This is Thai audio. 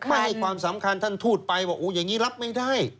ไม่ให้ความสำคัญท่านทูตไปว่าอย่างนี้รับไม่ได้